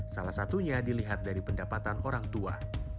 salah satunya dilihat dari pendapatan orangtua